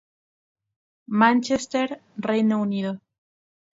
Manchester, Reino Unido.